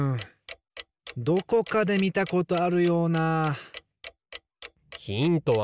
どこかでみたことあるような。